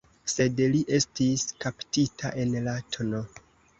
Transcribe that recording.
Sed li estis kaptita en la tn.